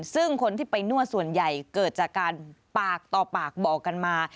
ซึ่งคนที่ไปนวดส่วนใหญ่เกิดจากการปากต่อปากบอกกันมา